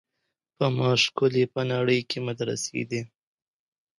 په ما ښکلي په نړۍ کي مدرسې دي